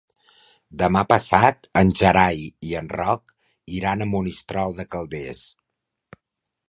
Demà passat en Gerai i en Roc iran a Monistrol de Calders.